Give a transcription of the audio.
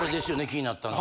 気になったん。